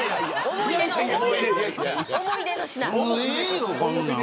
思い出の品。